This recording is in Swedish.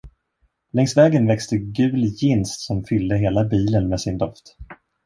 Längs vägen växte gul ginst som fyllde hela bilen med sin doft.